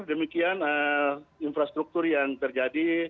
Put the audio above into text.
demikian infrastruktur yang terjadi